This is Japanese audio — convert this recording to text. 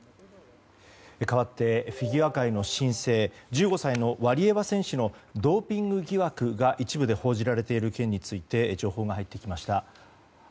かわってフィギュア界の新星１５歳のワリエワ選手のドーピング疑惑が一部で報じられている件について情報が入ってきました。